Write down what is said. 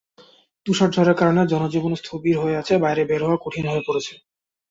তুষারঝড়ের কারণে জনজীবন স্থবির হয়ে আছে, বাইরে বের হওয়া কঠিন হয়ে পড়েছে।